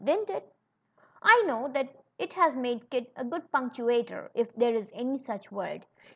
Didn't it ? I know that it has made Kit a good punctuator, if there is any such word.